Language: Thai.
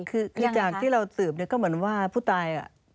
คือจากที่เราสืบเนี่ยก็เหมือนว่าผู้ตาย